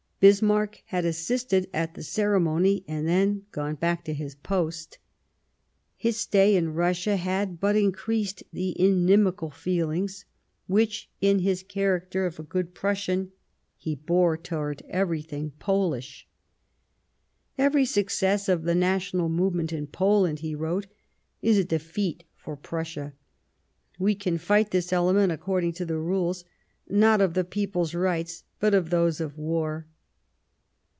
Bismarck had assisted at the ceremony and then gone back to his post. His stay in Russia had but increased the inimical feelings which, in his character of good Prussian, he bore towards everything Polish. " Every success of the national movement in Poland," he wrote, " is a defeat for Prussia ; we can fight this element according to the rules, not of the people's rights, but of those of war.